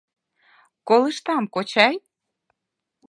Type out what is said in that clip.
— Колыштам, кочай!